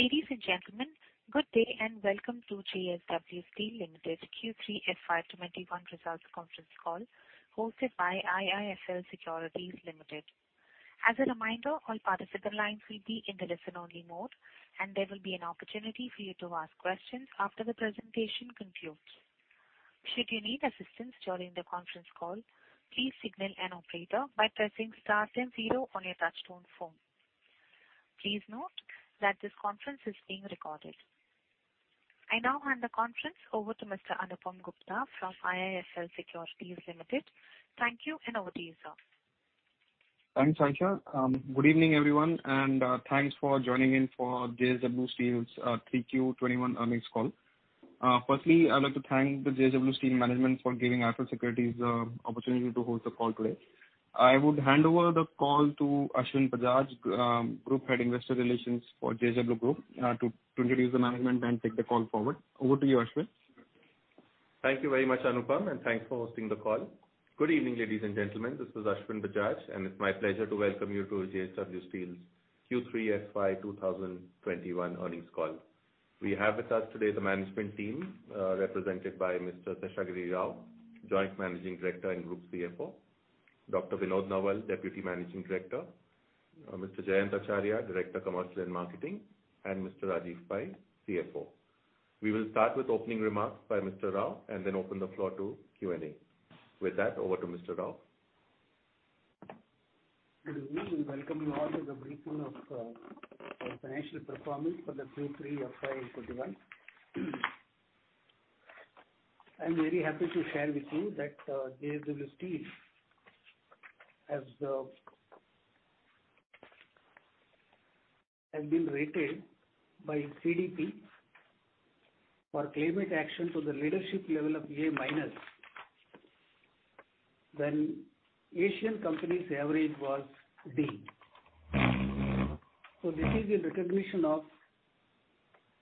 Ladies and gentlemen, good day and welcome to JSW Steel Limited Q3 FY21 results conference call hosted by IIFL Securities Limited. As a reminder, all participant lines will be in the listen-only mode, and there will be an opportunity for you to ask questions after the presentation concludes. Should you need assistance during the conference call, please signal an operator by pressing star 100 on your touch-tone phone. Please note that this conference is being recorded. I now hand the conference over to Mr. Anupam Gupta from IIFL Securities Limited. Thank you and over to you, sir. Thanks, Aisha. Good evening, everyone, and thanks for joining in for JSW Steel's 3Q21 earnings call. Firstly, I'd like to thank the JSW Steel management for giving IIFL Securities the opportunity to host the call today. I would hand over the call to Ashwin Bajaj, Group Head Investor Relations for JSW Group, to introduce the management and take the call forward. Over to you, Ashwin. Thank you very much, Anupam, and thanks for hosting the call. Good evening, ladies and gentlemen. This is Ashwin Bajaj, and it's my pleasure to welcome you to JSW Steel's Q3 FY2021 earnings call. We have with us today the management team represented by Mr. Seshagiri Rao, Joint Managing Director and Group CFO, Dr. Vinod Nowal, Deputy Managing Director, Mr. Jayant Acharya, Director Commercial and Marketing, and Mr. Rajeev Pai, CFO. We will start with opening remarks by Mr. Rao and then open the floor to Q&A. With that, over to Mr. Rao. Good evening. Welcome you all to the briefing of financial performance for the Q3 FY21. I'm very happy to share with you that JSW Steel has been rated by CDP for climate action to the leadership level of A- when Asian companies' average was D. This is in recognition of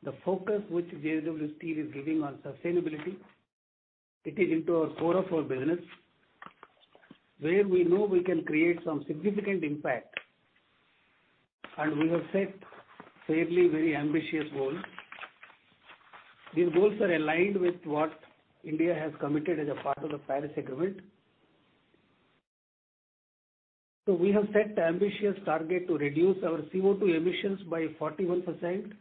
the focus which JSW Steel is giving on sustainability. It is into our core of our business where we know we can create some significant impact, and we have set fairly very ambitious goals. These goals are aligned with what India has committed as a part of the Paris Agreement. We have set the ambitious target to reduce our CO2 emissions by 41%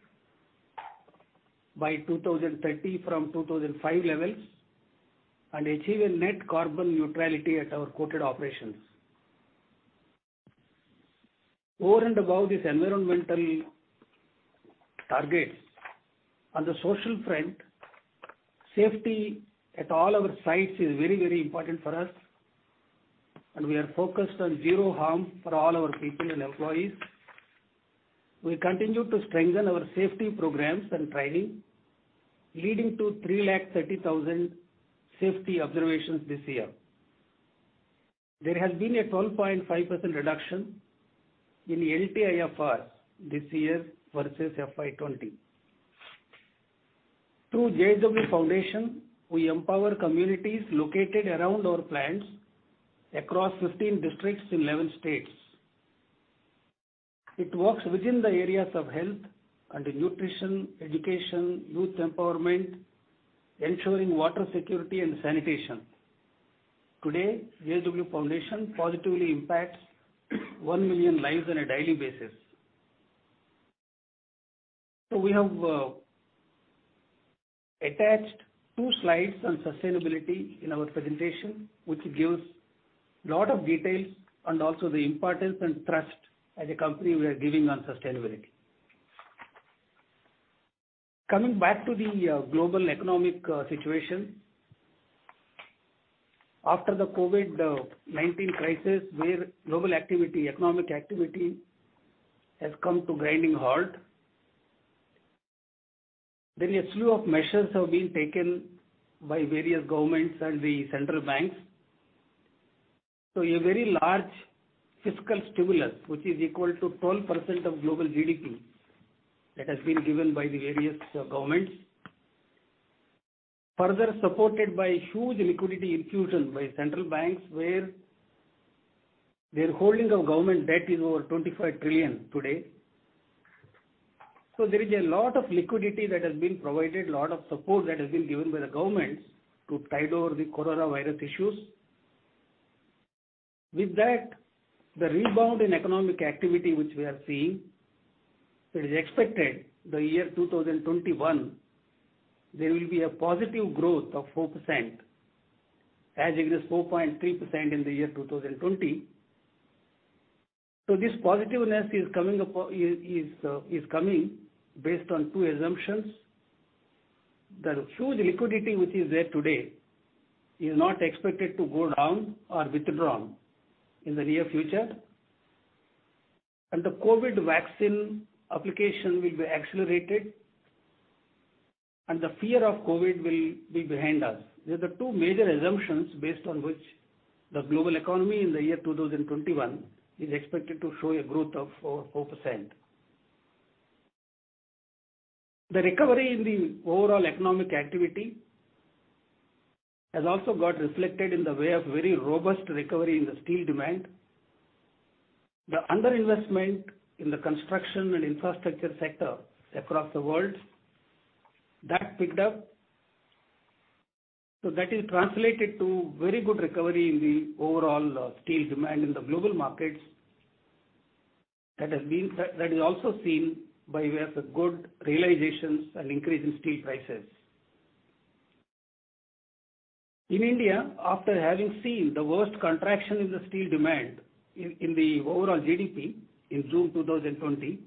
by 2030 from 2005 levels and achieve a net carbon neutrality at our Coated operations. Over and above this environmental target, on the social front, safety at all our sites is very, very important for us, and we are focused on zero harm for all our people and employees. We continue to strengthen our safety programs and training, leading to 330,000 safety observations this year. There has been a 12.5% reduction in LTIFRs this year versus FY2020. Through JSW Foundation, we empower communities located around our plants across 15 districts in 11 states. It works within the areas of health and nutrition, education, youth empowerment, ensuring water security and sanitation. Today, JSW Foundation positively impacts one million lives on a daily basis. We have attached two slides on sustainability in our presentation, which gives a lot of details on also the importance and trust as a company we are giving on sustainability. Coming back to the global economic situation, after the COVID-19 crisis where global economic activity has come to a grinding halt, a slew of measures have been taken by various governments and the central banks. A very large fiscal stimulus, which is equal to 12% of global GDP, has been given by the various governments, further supported by huge liquidity infusion by central banks where their holding of government debt is over $25 trillion today. There is a lot of liquidity that has been provided, a lot of support that has been given by the governments to tide over the coronavirus issues. With that, the rebound in economic activity which we are seeing, it is expected in the year 2021, there will be a positive growth of 4%, as it is 4.3% in the year 2020. This positiveness is coming based on two assumptions. The huge liquidity which is there today is not expected to go down or be withdrawn in the near future, and the COVID vaccine application will be accelerated, and the fear of COVID will be behind us. These are the two major assumptions based on which the global economy in the year 2021 is expected to show a growth of 4%. The recovery in the overall economic activity has also got reflected in the way of very robust recovery in the steel demand. The underinvestment in the construction and infrastructure sector across the world, that picked up. That is translated to very good recovery in the overall steel demand in the global markets that is also seen by way of the good realizations and increase in steel prices. In India, after having seen the worst contraction in the steel demand in the overall GDP in June 2020,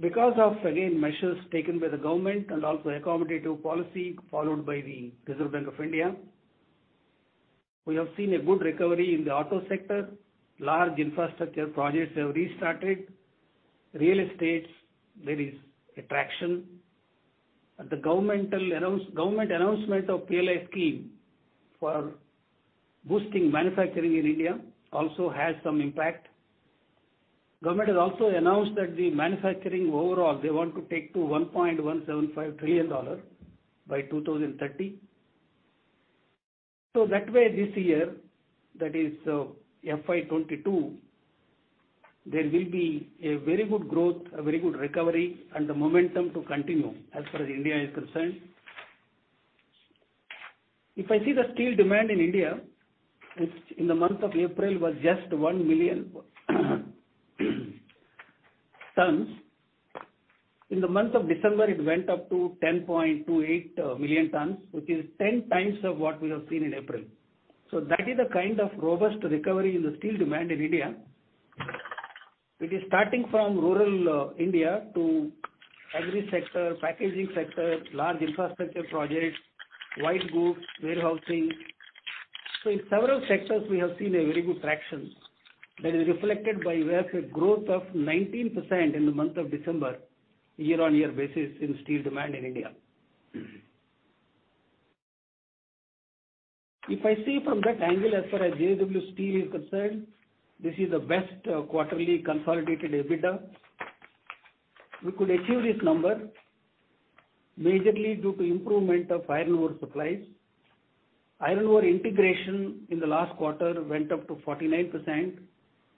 because of, again, measures taken by the government and also accommodative policy followed by the Reserve Bank of India, we have seen a good recovery in the auto sector. Large infrastructure projects have restarted. Real estate, there is a traction. The government announcement of PLI scheme for boosting manufacturing in India also has some impact. Government has also announced that the manufacturing overall they want to take to $1.175 trillion by 2030. That way, this year, that is FY22, there will be a very good growth, a very good recovery, and the momentum to continue as far as India is concerned. If I see the steel demand in India, in the month of April, it was just 1 million tonnes. In the month of December, it went up to 10.28 million tonnes, which is 10 times of what we have seen in April. That is a kind of robust recovery in the steel demand in India. It is starting from rural India to every sector, packaging sector, large infrastructure projects, white goods, warehousing. In several sectors, we have seen a very good traction that is reflected by way of a growth of 19% in the month of December, year-on-year basis in steel demand in India. If I see from that angle as far as JSW Steel is concerned, this is the best quarterly consolidated EBITDA. We could achieve this number majorly due to improvement of iron ore supplies. Iron ore integration in the last quarter went up to 49%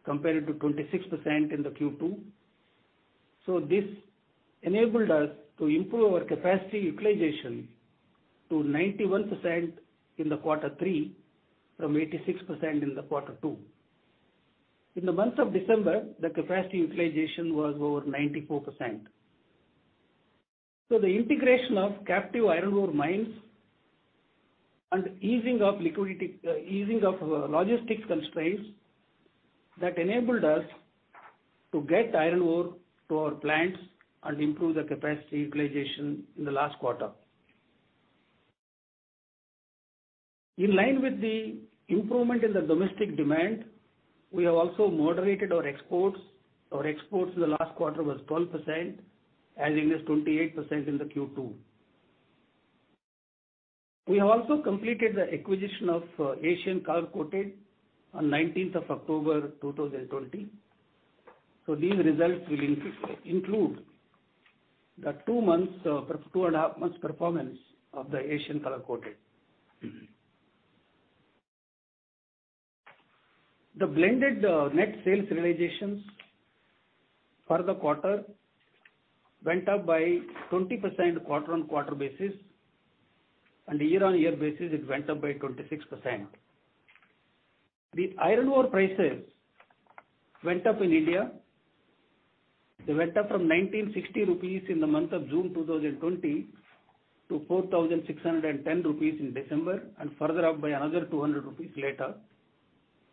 compared to 26% in the Q2. This enabled us to improve our capacity utilization to 91% in quarter three from 86% in quarter two. In the month of December, the capacity utilization was over 94%. The integration of captive iron ore mines and easing of logistics constraints enabled us to get iron ore to our plants and improve the capacity utilization in the last quarter. In line with the improvement in the domestic demand, we have also moderated our exports. Our exports in the last quarter were 12%, as against 28% in Q2. We have also completed the acquisition of Asian Colour Coated Ispat Limited on the 19th of October 2020. These results will include the two and a half months' performance of Asian Colour Coated Ispat Limited. The blended net sales realizations for the quarter went up by 20% quarter-on-quarter, and year-on-year, it went up by 26%. The iron ore prices went up in India. They went up from 1,960 rupees in the month of June 2020 to 4,610 rupees in December and further up by another 200 rupees later.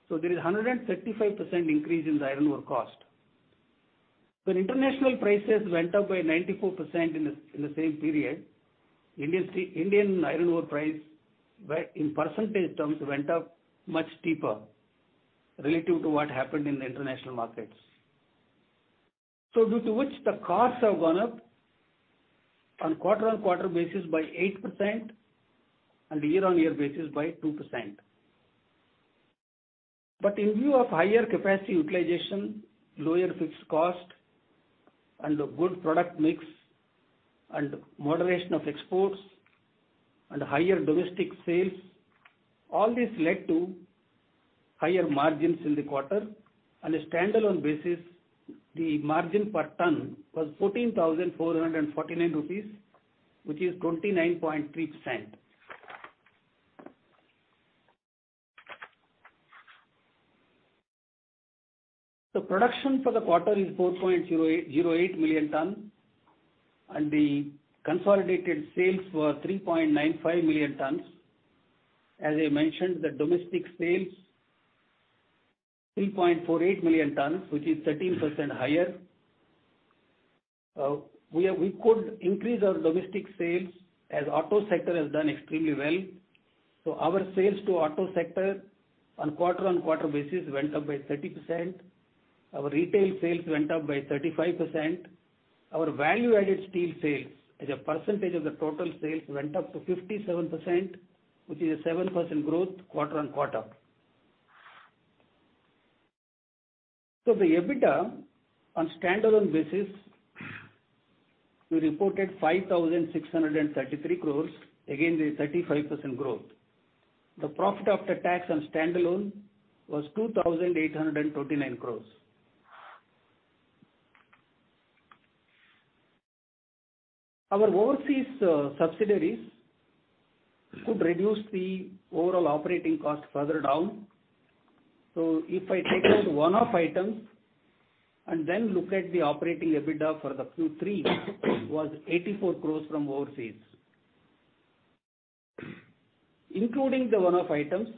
There is a 135% increase in the iron ore cost. When international prices went up by 94% in the same period, Indian iron ore price in percentage terms went up much steeper relative to what happened in the international markets. Due to this, the costs have gone up on a quarter-on-quarter basis by 8% and year-on-year basis by 2%. In view of higher capacity utilization, lower fixed cost, good product mix, moderation of exports, and higher domestic sales, all this led to higher margins in the quarter. On a standalone basis, the margin per tonne was 14,449 rupees, which is 29.3%. The production for the quarter is 4.08 million tonnes, and the consolidated sales were 3.95 million tonnes. As I mentioned, the domestic sales are 3.48 million tonnes, which is 13% higher. We could increase our domestic sales as the auto sector has done extremely well. Our sales to the auto sector on quarter-on-quarter basis went up by 30%. Our retail sales went up by 35%. Our value-added steel sales as a percentage of the total sales went up to 57%, which is a 7% growth quarter-on-quarter. The EBITDA on standalone basis, we reported 5,633 crore, again, with a 35% growth. The profit after tax on standalone was 2,829 crore. Our overseas subsidiaries could reduce the overall operating cost further down. If I take out one-off the items and then look at the operating EBITDA for the Q3, it was 84 crore from overseas. Including the one-off the items,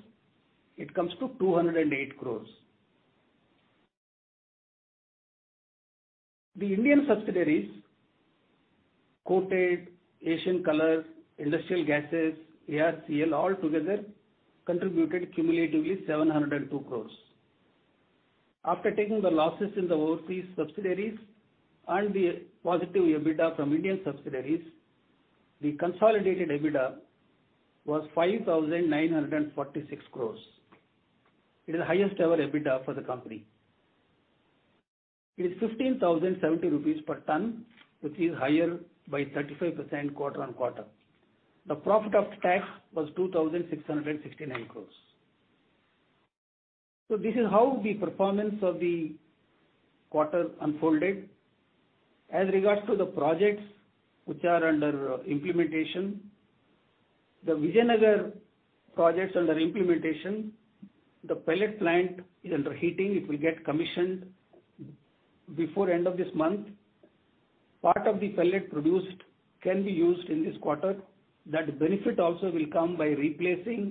it comes to 208 crore. The Indian subsidiaries, Coated, Asian Colour Coated Ispat, Industrial Gases, ARCL, all together contributed cumulatively 702 crore. After taking the losses in the overseas subsidiaries and the positive EBITDA from Indian subsidiaries, the consolidated EBITDA was 5,946 crore. It is the highest-ever EBITDA for the company. It is 15,070 rupees per tonne, which is higher by 35% quarter-on-quarter. The profit after tax was 2,669 crore. This is how the performance of the quarter unfolded. As regards to the projects which are under implementation, the Vijayanagar project is under implementation. The pellet plant is under heating. It will get commissioned before the end of this month. Part of the pellet produced can be used in this quarter. That benefit also will come by replacing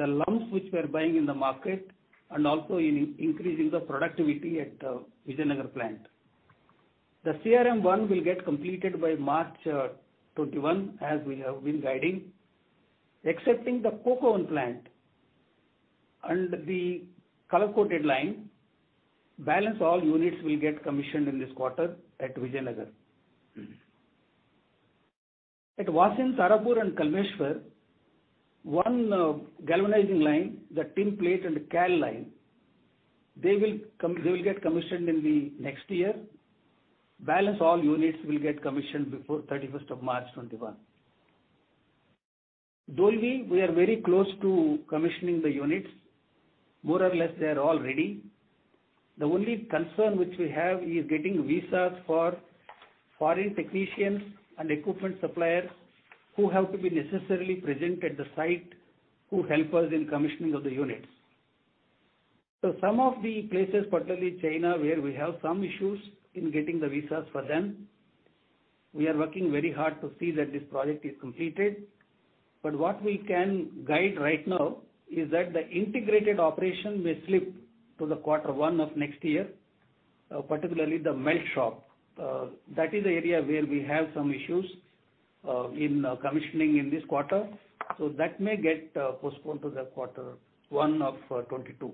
the lumps which we are buying in the market and also in increasing the productivity at the Vijayanagar plant. The CRM-1 will get completed by March 2021, as we have been guiding. coke oven plant and the colour-coated line, balance all units will get commissioned in this quarter at Vijayanagar. At Vasind, Tarapur, and Kalmeshwar, one galvanizing line, the tin plate and CAL line, they will get commissioned in the next year. Balance all units will get commissioned before 31st of March 2021. Dolvi, we are very close to commissioning the units. More or less, they are all ready. The only concern which we have is getting visas for foreign technicians and equipment suppliers who have to be necessarily present at the site to help us in commissioning of the units. Some of the places, particularly China, where we have some issues in getting the visas for them, we are working very hard to see that this project is completed. What we can guide right now is that the integrated operation may slip to the quarter one of next year, particularly the melt shop. That is the area where we have some issues in commissioning in this quarter. That may get postponed to the quarter one of 2022.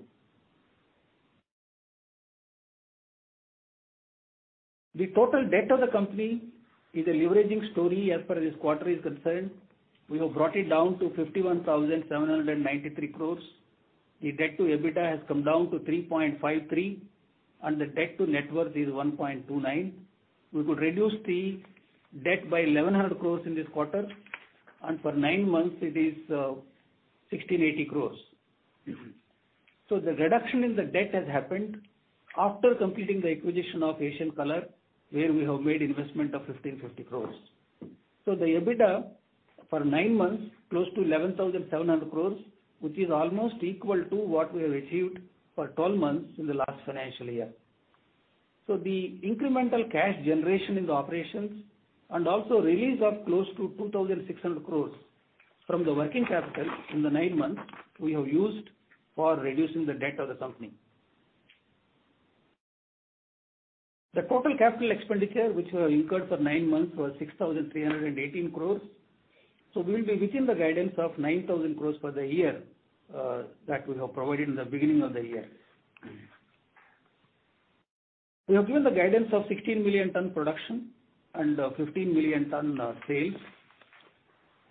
The total debt of the company is a leveraging story as far as this quarter is concerned. We have brought it down to 51,793 crore. The debt to EBITDA has come down to 3.53, and the debt to net worth is 1.29. We could reduce the debt by 1,100 crore in this quarter, and for nine months, it is 1,680 crore. The reduction in the debt has happened after completing the acquisition of Asian Colour, where we have made investment of 1,550 crore. The EBITDA for nine months is close to 11,700 crore, which is almost equal to what we have achieved for 12 months in the last financial year. The incremental cash generation in the operations and also release of close to 2,600 crore from the working capital in the nine months we have used for reducing the debt of the company. The total capital expenditure which we have incurred for nine months was 6,318 crore. We will be within the guidance of 9,000 crore for the year that we have provided in the beginning of the year. We have given the guidance of 16 million tonne production and 15 million tonne sales.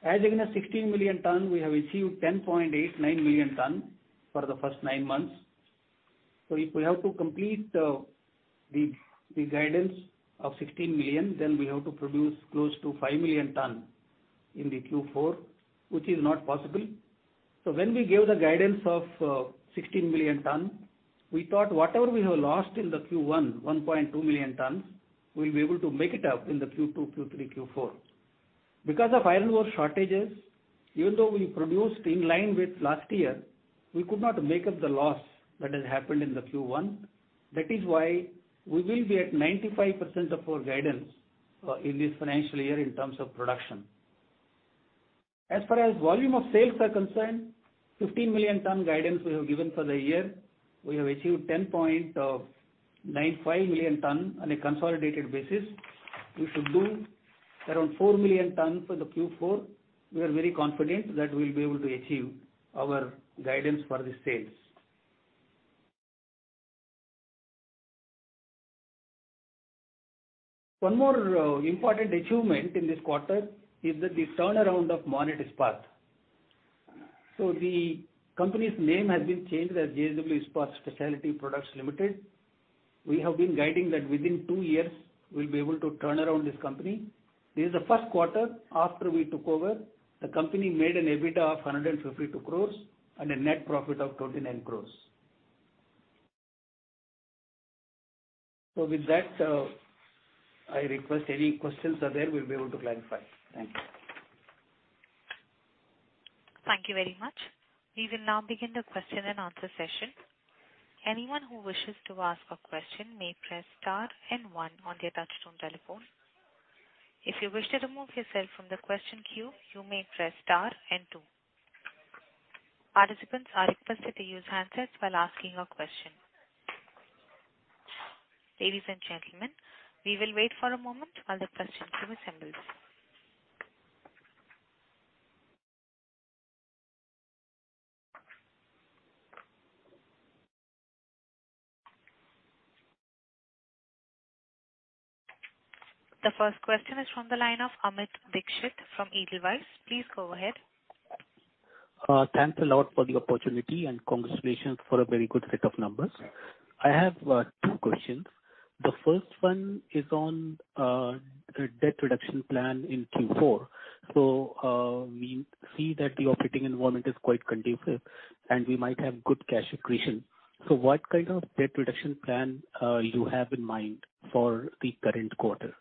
As again, as 16 million tonne, we have achieved 10.89 million tonne for the first nine months. If we have to complete the guidance of 16 million, then we have to produce close to 5 million tonne in the Q4, which is not possible. When we gave the guidance of 16 million tonne, we thought whatever we have lost in the Q1, 1.2 million tonne, we'll be able to make it up in the Q2, Q3, Q4. Because of iron ore shortages, even though we produced in line with last year, we could not make up the loss that has happened in the Q1. That is why we will be at 95% of our guidance in this financial year in terms of production. As far as volume of sales are concerned, 15 million tonne guidance we have given for the year. We have achieved 10.95 million tonne on a consolidated basis. We should do around 4 million tonne for the Q4. We are very confident that we will be able to achieve our guidance for the sales. One more important achievement in this quarter is that the turnaround of Monnet Ispat. The company's name has been changed as JSW Ispat Special Products Limited. We have been guiding that within two years, we'll be able to turn around this company. This is the first quarter after we took over. The company made an EBITDA of 152 crore and a net profit of 29 crore. With that, I request any questions are there, we'll be able to clarify. Thank you. Thank you very much. We will now begin the question and answer session. Anyone who wishes to ask a question may press star and one on their touch-tone telephone. If you wish to remove yourself from the question queue, you may press star and two. Participants are requested to use handsets while asking a question. Ladies and gentlemen, we will wait for a moment while the question queue assembles. The first question is from the line of Amit Dixit from Edelweiss. Please go ahead. Thanks a lot for the opportunity and congratulations for a very good set of numbers. I have two questions. The first one is on a debt reduction plan in Q4. We see that the operating environment is quite conducive, and we might have good cash accretion. What kind of debt reduction plan do you have in mind for the current quarter?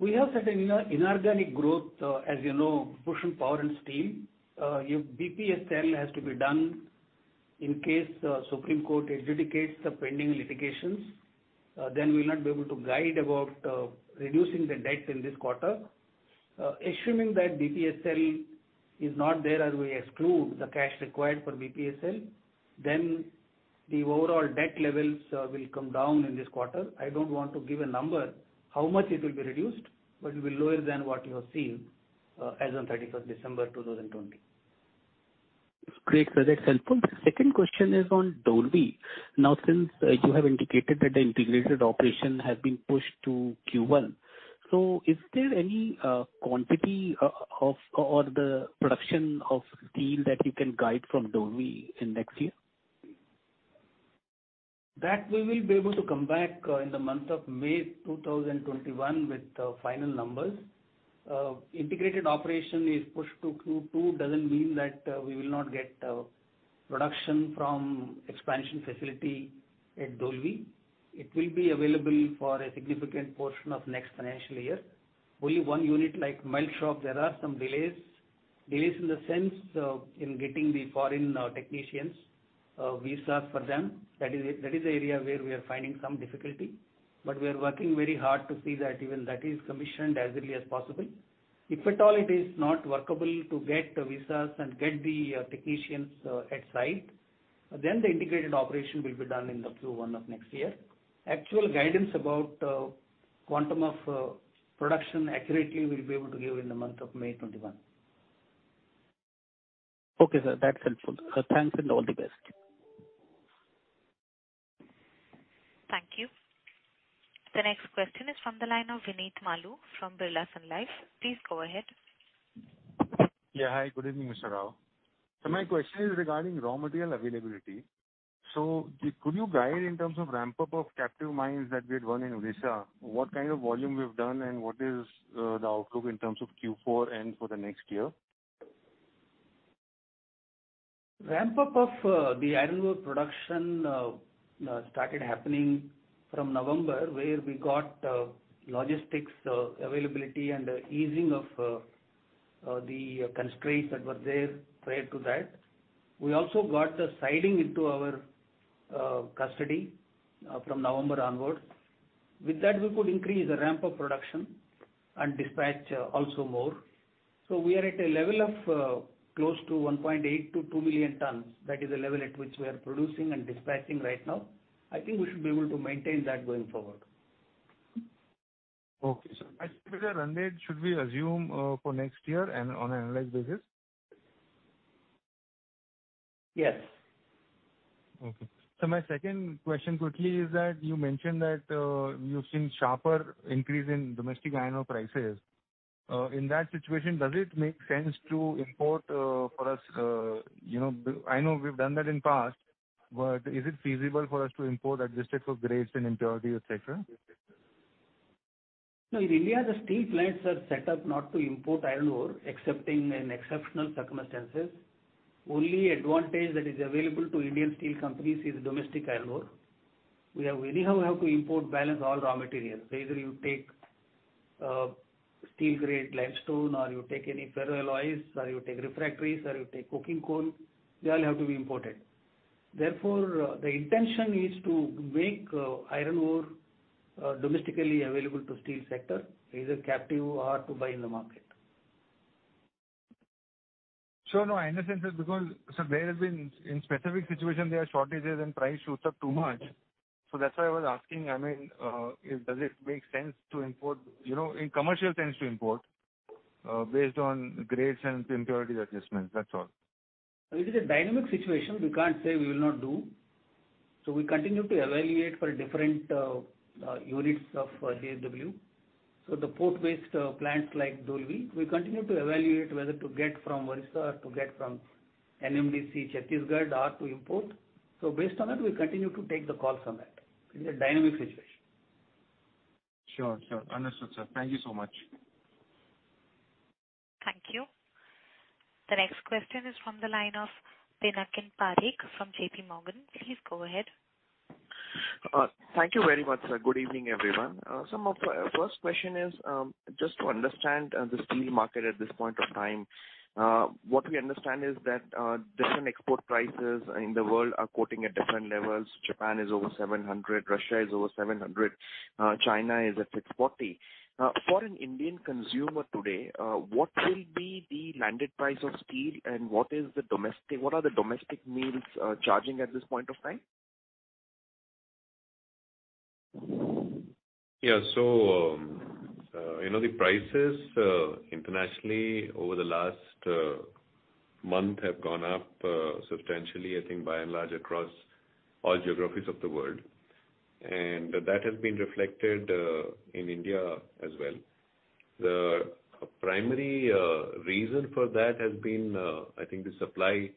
We have certain inorganic growth, as you know, Bhushan Power and Steel. BPSL has to be done in case the Supreme Court adjudicates the pending litigations. We will not be able to guide about reducing the debt in this quarter. Assuming that BPSL is not there as we exclude the cash required for BPSL, then the overall debt levels will come down in this quarter. I do not want to give a number how much it will be reduced, but it will be lower than what you have seen as of 31 December 2020. Great. That is helpful. The second question is on Dolvi. Now, since you have indicated that the integrated operation has been pushed to Q1, is there any quantity or the production of steel that you can guide from Dolvi in next year? That we will be able to come back in the month of May 2021 with the final numbers. Integrated operation is pushed to Q2 does not mean that we will not get production from the expansion facility at Dolvi. It will be available for a significant portion of the next financial year. Only one unit like melt shop, there are some delays. Delays in the sense in getting the foreign technicians, visas for them. That is the area where we are finding some difficulty. We are working very hard to see that even that is commissioned as early as possible. If at all it is not workable to get the visas and get the technicians at site, then the integrated operation will be done in the Q1 of next year. Actual guidance about the quantum of production accurately we'll be able to give in the month of May 2021. Okay, sir. That's helpful. Thanks and all the best. Thank you. The next question is from the line of Vineet Maloo from Birla Sun Life. Please go ahead. Yeah. Hi. Good evening, Mr. Rao. My question is regarding raw material availability. Could you guide in terms of ramp-up of captive mines that we had run in Odisha? What kind of volume we've done and what is the outlook in terms of Q4 and for the next year? Ramp-up of the iron ore production started happening from November, where we got logistics availability and easing of the constraints that were there prior to that. We also got the siding into our custody from November onward. With that, we could increase the ramp-up production and dispatch also more. We are at a level of close to 1.8-2 million tonnes. That is the level at which we are producing and dispatching right now. I think we should be able to maintain that going forward. Okay, sir. Should we assume for next year and on an annual basis? Yes. Okay. My second question quickly is that you mentioned that you've seen a sharper increase in domestic iron ore prices. In that situation, does it make sense to import for us? I know we've done that in the past, but is it feasible for us to import at this stage for grades and impurities, etc.? No, in India, the steel plants are set up not to import iron ore except in exceptional circumstances. Only the advantage that is available to Indian steel companies is domestic iron ore. We have anyhow to import balance all raw materials. Whether you take steel grade, limestone, or you take any ferro alloys, or you take refractories, or you take coking coal, they all have to be imported. Therefore, the intention is to make iron ore domestically available to the steel sector, either captive or to buy in the market. Sure. No, in a sense, it's because, sir, there has been in specific situations, there are shortages and price shoots up too much. That's why I was asking, I mean, does it make sense to import in commercial sense to import based on grades and impurities adjustments? That's all. It is a dynamic situation. We can't say we will not do. We continue to evaluate for different units of JSW. The port-based plants like Dolvi, we continue to evaluate whether to get from Odisha or to get from NMDC, Chhattisgarh, or to import. Based on that, we continue to take the calls on that. It is a dynamic situation. Sure. Sure. Understood, sir. Thank you so much. Thank you. The next question is from the line of Pinakin Parekh from JPMorgan. Please go ahead. Thank you very much, sir. Good evening, everyone. My first question is just to understand the steel market at this point of time. What we understand is that different export prices in the world are quoting at different levels. Japan is over $700, Russia is over $700, China is at $640. For an Indian consumer today, what will be the landed price of steel, and what are the domestic mills charging at this point of time? Yeah. The prices internationally over the last month have gone up substantially, I think, by and large across all geographies of the world. That has been reflected in India as well. The primary reason for that has been, I think, the supply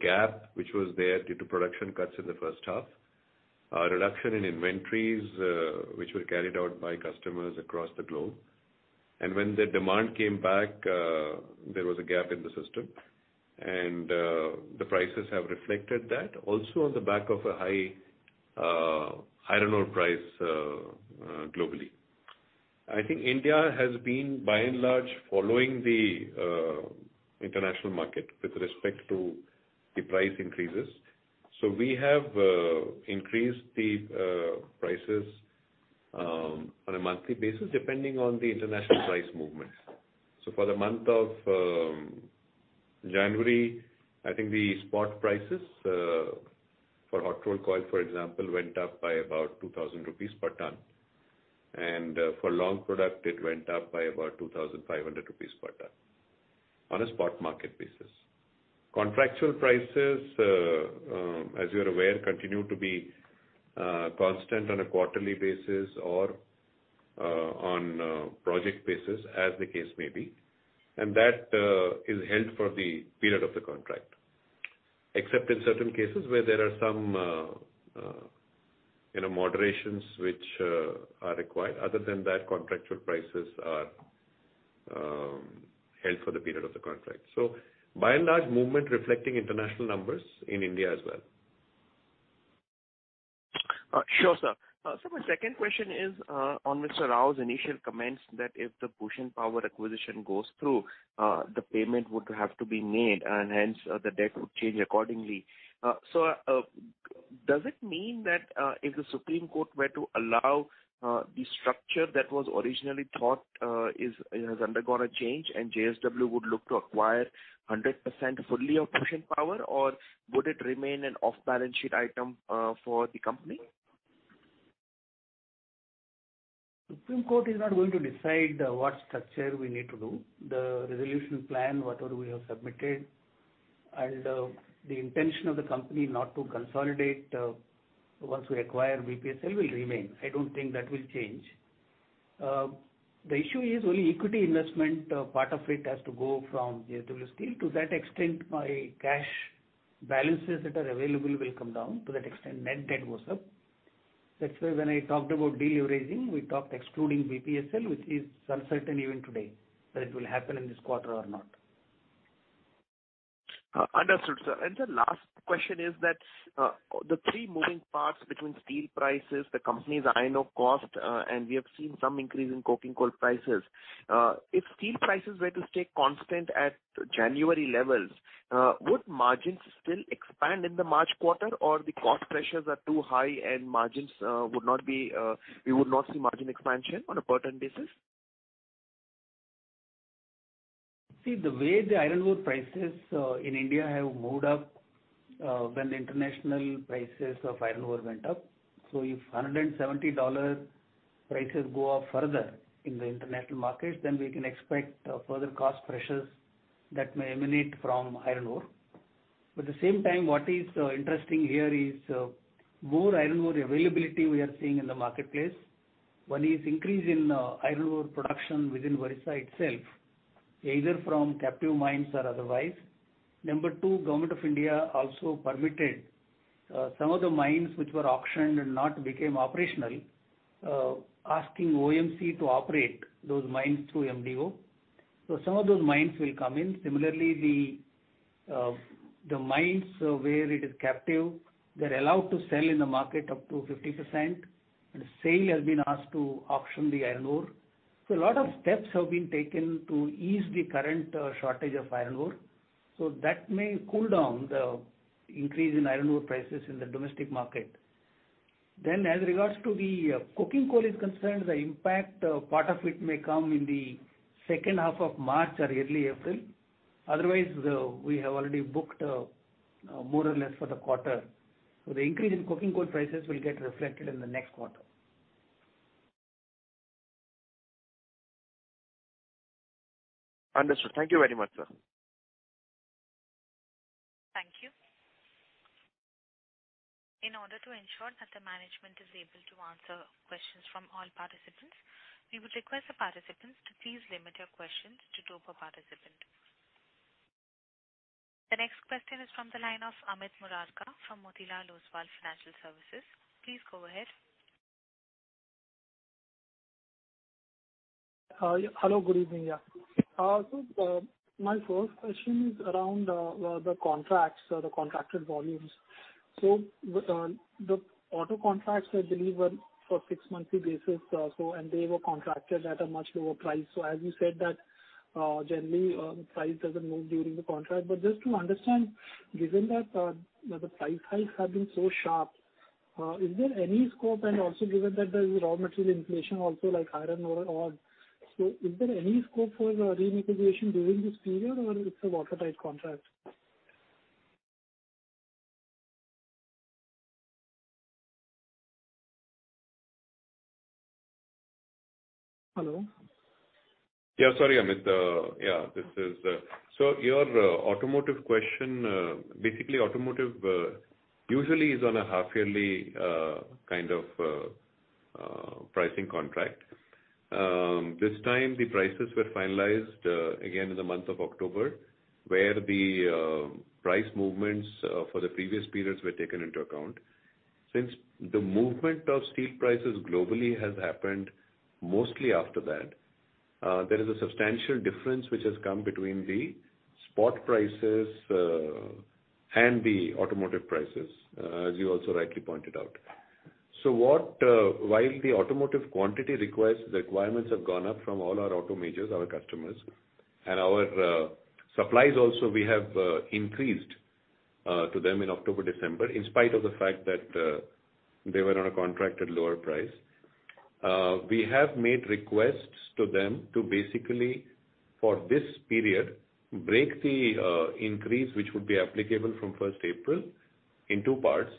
gap which was there due to production cuts in the first half, a reduction in inventories which were carried out by customers across the globe. When the demand came back, there was a gap in the system, and the prices have reflected that also on the back of a high iron ore price globally. I think India has been, by and large, following the international market with respect to the price increases. We have increased the prices on a monthly basis depending on the international price movements. For the month of January, I think the spot prices for hot rolled coil, for example, went up by about 2,000 rupees per tonne. For long product, it went up by about 2,500 rupees per tonne on a spot market basis. Contractual prices, as you're aware, continue to be constant on a quarterly basis or on project basis, as the case may be. That is held for the period of the contract, except in certain cases where there are some moderations which are required. Other than that, contractual prices are held for the period of the contract. By and large, movement reflecting international numbers in India as well. Sure, sir. My second question is on Mr. Rao's initial comments that if the BPSL acquisition goes through, the payment would have to be made, and hence the debt would change accordingly. Does it mean that if the Supreme Court were to allow the structure that was originally thought has undergone a change and JSW would look to acquire 100% fully of BPSL, or would it remain an off-balance sheet item for the company? The Supreme Court is not going to decide what structure we need to do. The resolution plan, whatever we have submitted, and the intention of the company not to consolidate once we acquire BPSL will remain. I don't think that will change. The issue is only equity investment. Part of it has to go from JSW Steel. To that extent, my cash balances that are available will come down. To that extent, net debt goes up. That is why when I talked about deleveraging, we talked excluding BPSL, which is uncertain even today that it will happen in this quarter or not. Understood, sir. The last question is that the three moving parts between steel prices, the company's iron ore cost, and we have seen some increase in coking coal prices. If steel prices were to stay constant at January levels, would margins still expand in the March quarter, or the cost pressures are too high and margins would not be we would not see margin expansion on a pertinent basis? See, the way the iron ore prices in India have moved up when the international prices of iron ore went up. If $170 prices go up further in the international markets, then we can expect further cost pressures that may emanate from iron ore. At the same time, what is interesting here is more iron ore availability we are seeing in the marketplace. One is increase in iron ore production within Odisha itself, either from captive mines or otherwise. Number two, Government of India also permitted some of the mines which were auctioned and not became operational, asking Odisha Mining Corporation to operate those mines through MDO. Some of those mines will come in. Similarly, the mines where it is captive, they are allowed to sell in the market up to 50%, and the sale has been asked to auction the iron ore. A lot of steps have been taken to ease the current shortage of iron ore. That may cool down the increase in iron ore prices in the domestic market. As regards to the coking coal is concerned, the impact part of it may come in the second half of March or early April. Otherwise, we have already booked more or less for the quarter. The increase in coking coal prices will get reflected in the next quarter. Understood. Thank you very much, sir. Thank you. In order to ensure that the management is able to answer questions from all participants, we would request the participants to please limit their questions to two per participant. The next question is from the line of Amit Murarka from Motilal Oswal Financial Services. Please go ahead. Hello. Good evening, yeah. My first question is around the contracts or the contracted volumes. The auto contracts, I believe, were for a six-monthly basis, and they were contracted at a much lower price. As you said, generally the price does not move during the contract. Just to understand, given that the price hikes have been so sharp, is there any scope? Also, given that there is raw material inflation, also like iron ore, is there any scope for renegotiation during this period, or is it a watertight contract? Hello? Yeah. Sorry, Amit. Yeah. Your automotive question, basically, automotive usually is on a half-yearly kind of pricing contract. This time, the prices were finalized again in the month of October, where the price movements for the previous periods were taken into account. Since the movement of steel prices globally has happened mostly after that, there is a substantial difference which has come between the spot prices and the automotive prices, as you also rightly pointed out. While the automotive quantity requirements have gone up from all our auto majors, our customers, and our supplies also we have increased to them in October-December, in spite of the fact that they were on a contracted lower price, we have made requests to them to basically, for this period, break the increase which would be applicable from 1 April in two parts,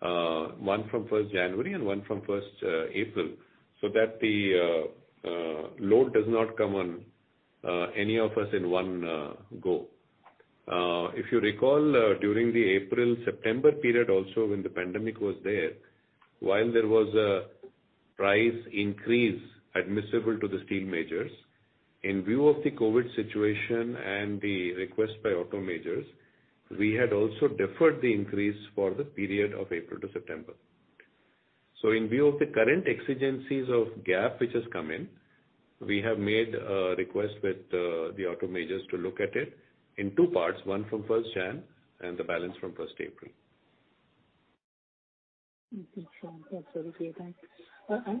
one from 1 January and one from 1 April, so that the load does not come on any of us in one go. If you recall, during the April-September period, also when the pandemic was there, while there was a price increase admissible to the steel majors, in view of the COVID situation and the request by auto majors, we had also deferred the increase for the period of April to September. In view of the current exigencies of gap which has come in, we have made a request with the auto majors to look at it in two parts, one from 1st January and the balance from 1st April. Okay. Sure. That's very clear. Thanks.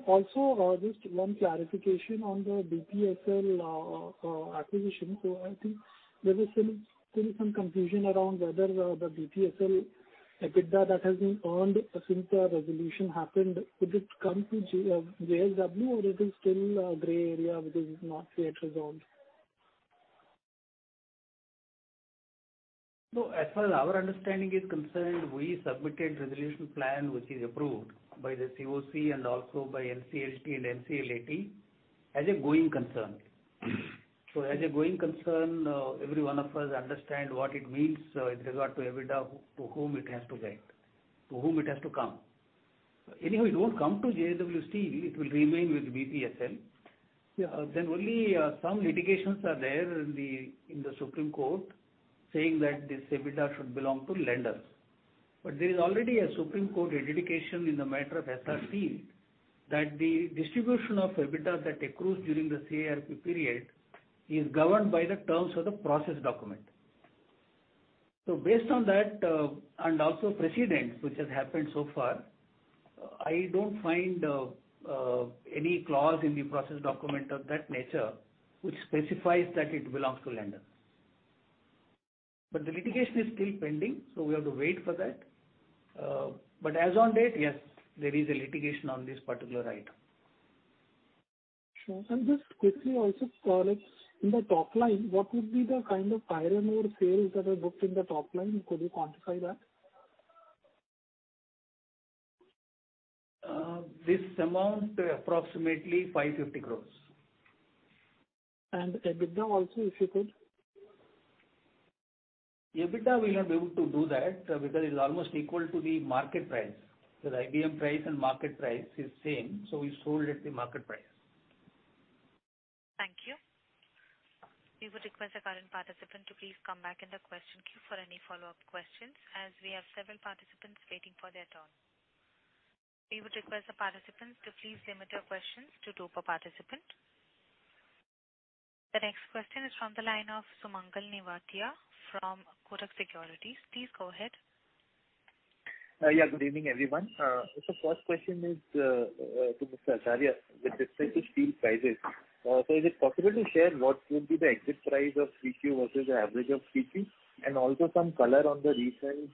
Also, just one clarification on the BPSL acquisition. I think there was still some confusion around whether the BPSL EBITDA that has been earned since the resolution happened, would it come to JSW, or it is still a gray area because it's not yet resolved? No, as far as our understanding is concerned, we submitted resolution plan which is approved by the COC and also by NCLT and NCLAT as a going concern. As a going concern, every one of us understands what it means with regard to EBITDA, to whom it has to get, to whom it has to come. Anyway, it will not come to JSW Steel. It will remain with BPSL. Only some litigations are there in the Supreme Court saying that this EBITDA should belong to lenders. There is already a Supreme Court adjudication in the matter of Essar Steel that the distribution of EBITDA that accrues during the CIRP period is governed by the terms of the process document. Based on that and also precedents which have happened so far, I don't find any clause in the process document of that nature which specifies that it belongs to lenders. The litigation is still pending, so we have to wait for that. As on date, yes, there is a litigation on this particular item. Sure. Just quickly also, in the top line, what would be the kind of iron ore sales that are booked in the top line? Could you quantify that? This amount, approximately 550. EBITDA also, if you could? EBITDA, we will not be able to do that because it is almost equal to the market price. The IBM price and market price is same, so we sold at the market price. Thank you. We would request the current participant to please come back in the question queue for any follow-up questions as we have several participants waiting for their turn. We would request the participants to please limit their questions to two per participant. The next question is from the line of Sumangal Nevatia from Kotak Securities. Please go ahead. Yeah. Good evening, everyone. First question is to Mr. Acharya, with respect to steel prices, is it possible to share what would be the exit price of Q3 versus the average of Q3, and also some color on the recent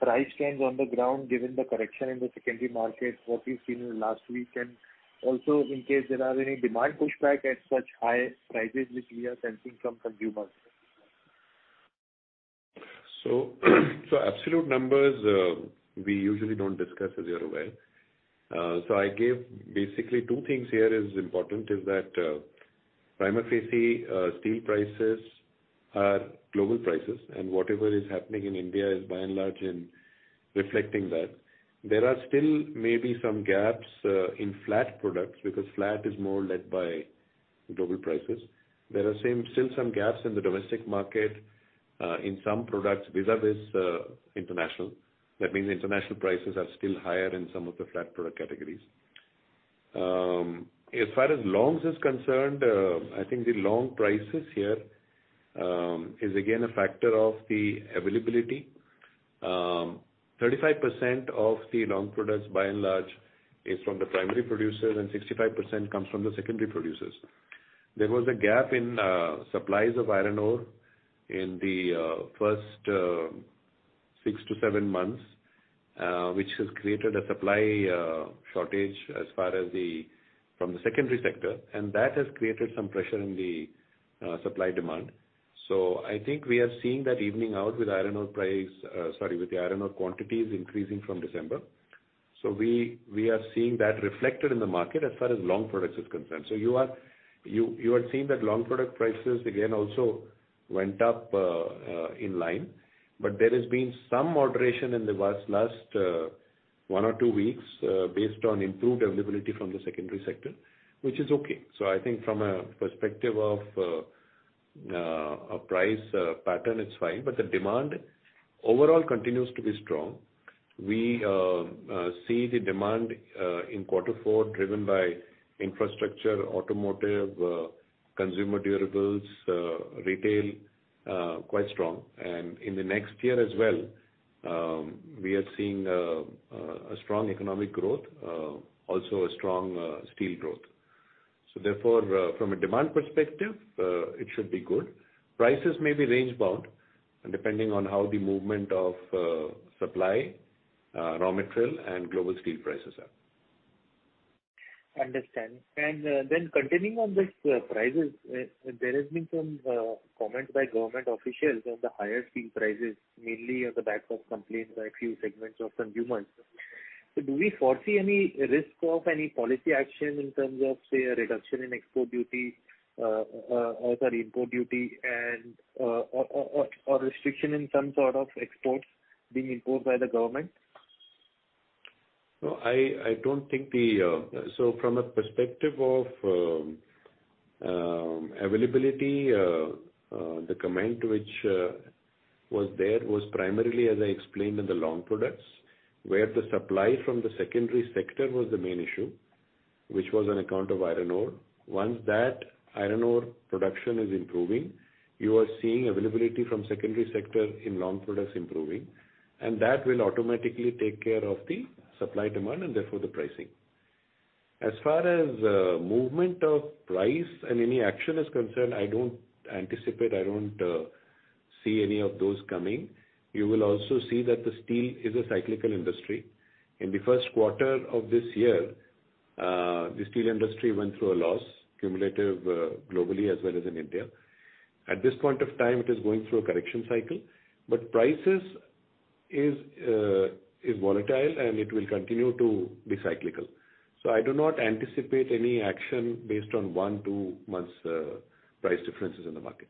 price trends on the ground given the correction in the secondary market, what we've seen in the last week, and also in case there are any demand pushback at such high prices which we are sensing from consumers? Absolute numbers, we usually do not discuss, as you are aware. I gave basically two things here as important as that. Primary steel prices are global prices, and whatever is happening in India is by and large reflecting that. There are still maybe some gaps in flat products because flat is more led by global prices. There are still some gaps in the domestic market in some products vis-à-vis international. That means international prices are still higher in some of the flat product categories. As far as longs is concerned, I think the long prices here is again a factor of the availability. 35% of the long products by and large is from the primary producers, and 65% comes from the secondary producers. There was a gap in supplies of iron ore in the first six to seven months, which has created a supply shortage as far as from the secondary sector, and that has created some pressure in the supply demand. I think we are seeing that evening out with iron ore price, sorry, with the iron ore quantities increasing from December. We are seeing that reflected in the market as far as long products is concerned. You are seeing that long product prices again also went up in line, but there has been some moderation in the last one or two weeks based on improved availability from the secondary sector, which is okay. I think from a perspective of a price pattern, it's fine. The demand overall continues to be strong. We see the demand in quarter four driven by infrastructure, automotive, consumer durables, retail quite strong. In the next year as well, we are seeing a strong economic growth, also a strong steel growth. Therefore, from a demand perspective, it should be good. Prices may be rangebound depending on how the movement of supply, raw material, and global steel prices are. Understand. Continuing on this prices, there has been some comments by government officials on the higher steel prices, mainly on the back of complaints by a few segments of consumers. Do we foresee any risk of any policy action in terms of, say, a reduction in export duty or import duty or restriction in some sort of exports being imposed by the government? No, I don't think so. From a perspective of availability, the comment which was there was primarily, as I explained, in the long products where the supply from the secondary sector was the main issue, which was on account of iron ore. Once that iron ore production is improving, you are seeing availability from the secondary sector in long products improving, and that will automatically take care of the supply-demand and therefore the pricing. As far as movement of price and any action is concerned, I don't anticipate, I don't see any of those coming. You will also see that steel is a cyclical industry. In the first quarter of this year, the steel industry went through a loss, cumulative globally as well as in India. At this point of time, it is going through a correction cycle, but prices are volatile, and it will continue to be cyclical. I do not anticipate any action based on one to two months' price differences in the market.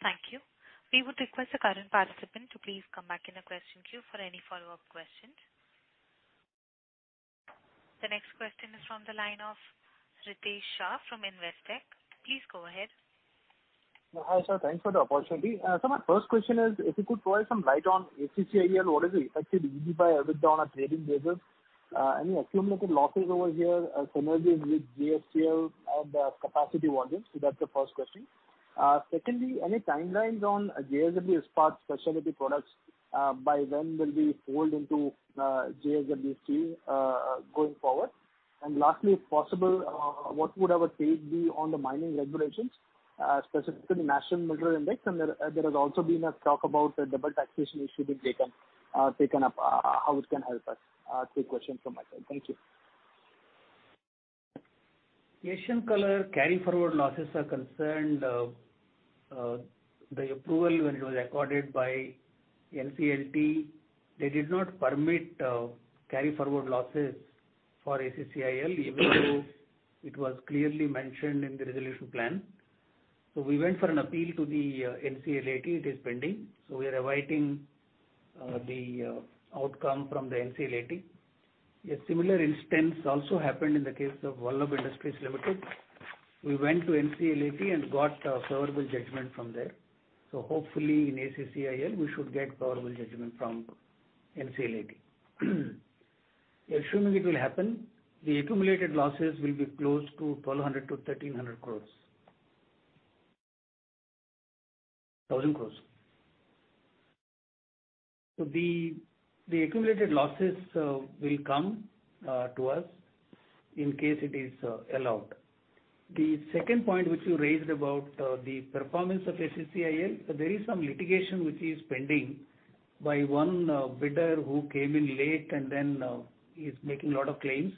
Thank you. We would request the current participant to please come back in the question queue for any follow-up questions. The next question is from the line of Ritesh Shah from Investec. Please go ahead. Hi, sir. Thanks for the opportunity. My first question is, if you could provide some light on ACCIL, what is the effective EBITDA on a trading basis? Any accumulated losses over here, synergies with JSW, and capacity volumes? That is the first question. Secondly, any timelines on JSW Ispat Special Products? By when will we fold into JSW Steel going forward? Lastly, if possible, what would our take be on the mining regulations, specifically the National Mineral Index? There has also been a talk about the double taxation issue being taken up, how it can help us. Two questions from my side. Thank you. As far as Asian Colour carry forward losses are concerned, the approval when it was accorded by NCLT, they did not permit carry forward losses for ACCIL, even though it was clearly mentioned in the resolution plan. We went for an appeal to the NCLT, it is pending. We are awaiting the outcome from the NCLT. A similar instance also happened in the case of Vardhman Industries Limited. We went to NCLT and got a favorable judgment from there. Hopefully, in ACCIL, we should get a favorable judgment from NCLT. Assuming it will happen, the accumulated losses will be close to 1,200-1,300 crore. 1,000 crore. The accumulated losses will come to us in case it is allowed. The second point which you raised about the performance of ACCIL, there is some litigation which is pending by one bidder who came in late and then is making a lot of claims.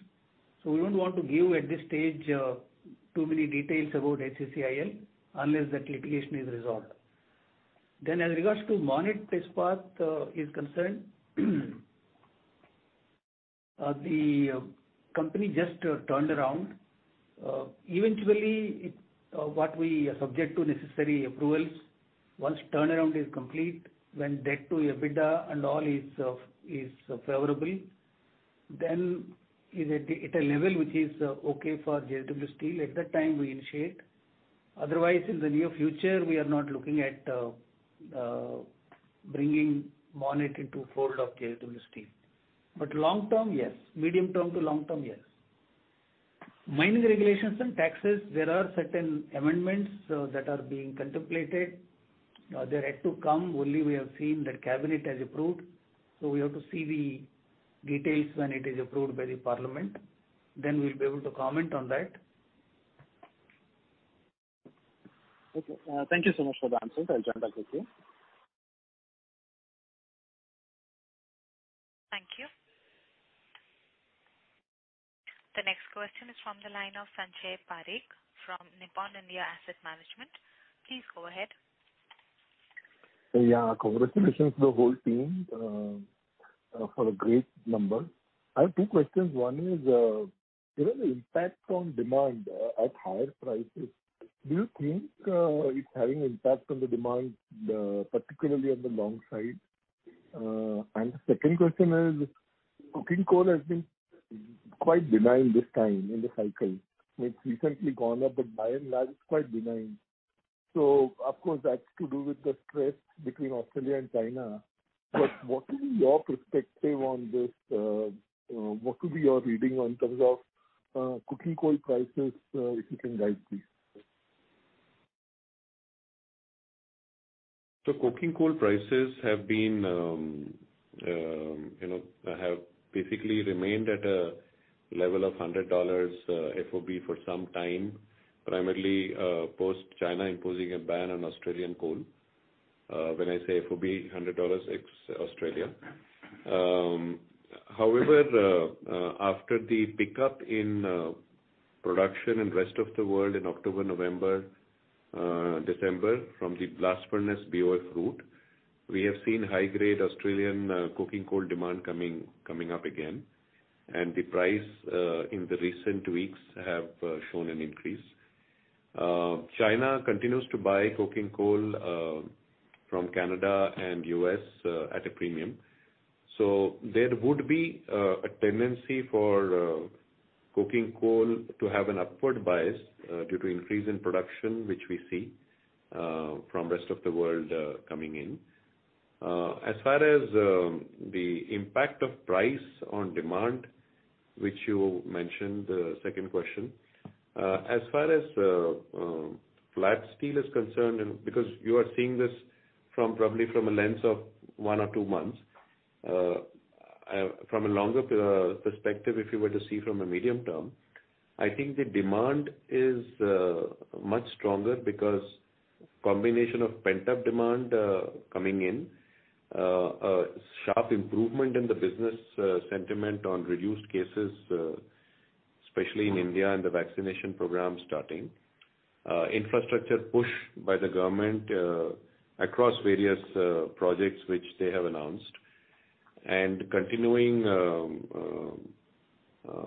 We do not want to give at this stage too many details about ACCIL unless that litigation is resolved. As regards to Monnet Ispat is concerned, the company just turned around. Eventually, we are subject to necessary approvals once turnaround is complete, when debt to EBITDA and all is favorable, then it is at a level which is okay for JSW Steel at the time we initiate. Otherwise, in the near future, we are not looking at bringing Monnet into the fold of JSW Steel. Long term, yes. Medium term to long term, yes. Mining regulations and taxes, there are certain amendments that are being contemplated. They're yet to come. Only we have seen that cabinet has approved. We have to see the details when it is approved by the Parliament. Then we'll be able to comment on that. Okay. Thank you so much for the answers. I'll jump back with you. Thank you. The next question is from the line of Sanjay Parekh from Nippon India Asset Management. Please go ahead. Yeah. Congratulations to the whole team for a great number. I have two questions. One is, given the impact on demand at higher prices, do you think it's having an impact on the demand, particularly on the long side? The second question is, coking coal has been quite benign this time in the cycle. It's recently gone up, but by and large, it's quite benign. Of course, that's to do with the stress between Australia and China. What would be your perspective on this? What would be your reading on terms of coking coal prices, if you can guide please? Coking coal prices have basically remained at a level of $100 FOB for some time, primarily post-China imposing a ban on Australian coal. When I say FOB, $100 ex-Australia. However, after the pickup in production in rest of the world in October, November, December from the blast furnace BOF route, we have seen high-grade Australian coking coal demand coming up again, and the price in the recent weeks have shown an increase. China continues to buy coking coal from Canada and US at a premium. There would be a tendency for coking coal to have an upward bias due to increase in production, which we see from rest of the world coming in. As far as the impact of price on demand, which you mentioned, the second question, as far as flat steel is concerned, and because you are seeing this probably from a lens of one or two months, from a longer perspective, if you were to see from a medium term, I think the demand is much stronger because combination of pent-up demand coming in, sharp improvement in the business sentiment on reduced cases, especially in India and the vaccination program starting, infrastructure push by the government across various projects which they have announced, and continuing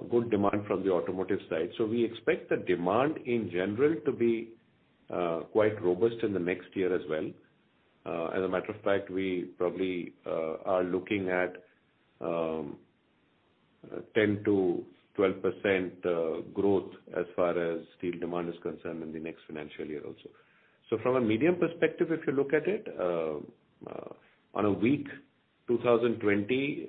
good demand from the automotive side. We expect the demand in general to be quite robust in the next year as well. As a matter of fact, we probably are looking at 10%-12% growth as far as steel demand is concerned in the next financial year also. From a medium perspective, if you look at it, on a week 2020,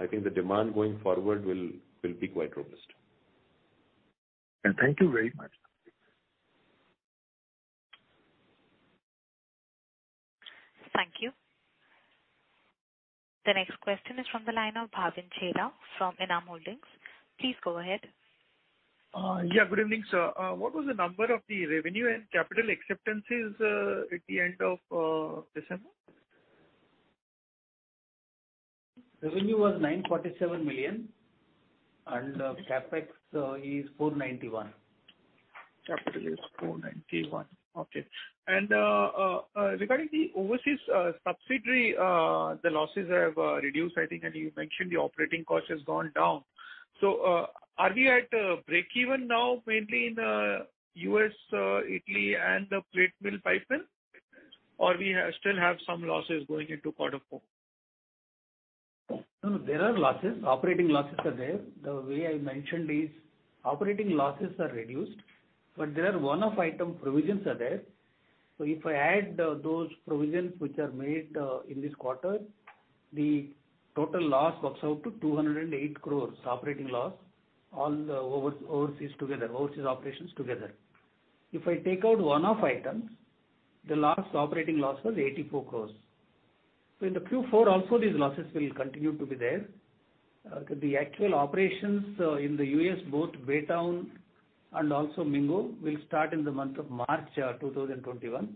I think the demand going forward will be quite robust. Thank you very much. Thank you. The next question is from the line of Bhavin Chheda from Enam Holdings. Please go ahead. Yeah. Good evening, sir. What was the number of the revenue and capital acceptances at the end of December? Revenue was 947 million, and CapEx is 491 million. Capital is 491 million. Okay. Regarding the overseas subsidiary, the losses have reduced, I think, and you mentioned the operating cost has gone down. Are we at breakeven now, mainly in the US, Italy, and the plate mill pipeline, or do we still have some losses going into quarter four? No, there are losses. Operating losses are there. The way I mentioned is operating losses are reduced, but there are one-off item provisions. If I add those provisions which are made in this quarter, the total loss works out to 208 crore operating loss, all overseas operations together. If I take out one-off items, the last operating loss was 84 crore. In Q4 also, these losses will continue to be there. The actual operations in the US, both Baytown and also Mingo, will start in the month of March 2021.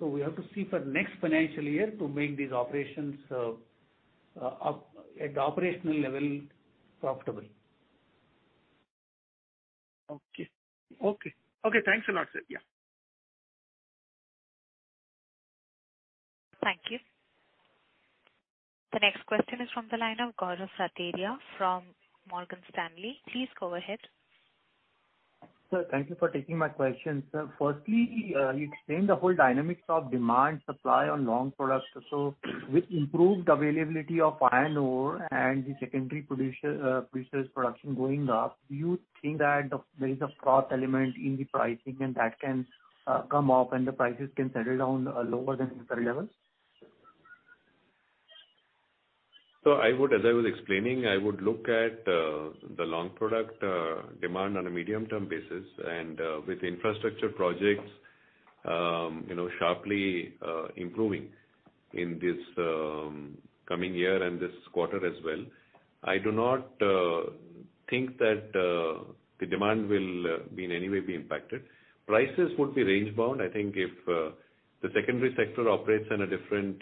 We have to see for next financial year to make these operations at the operational level profitable. Okay. Okay. Okay. Thanks a lot, sir. Yeah. Thank you. The next question is from the line of Gaurav Rateria from Morgan Stanley. Please go ahead. Sir, thank you for taking my question. Sir, firstly, you explained the whole dynamics of demand supply on long products. With improved availability of iron ore and the secondary producers' production going up, do you think that there is a fraud element in the pricing and that can come up and the prices can settle down lower than the current level? As I was explaining, I would look at the long product demand on a medium-term basis, and with infrastructure projects sharply improving in this coming year and this quarter as well, I do not think that the demand will in any way be impacted. Prices would be range-bound. I think if the secondary sector operates in a different